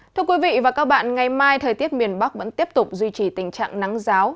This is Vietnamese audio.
thưa quý vị và các bạn ngày mai thời tiết miền bắc vẫn tiếp tục duy trì tình trạng nắng giáo